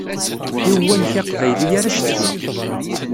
I uwanek aqbayli ara cetkint.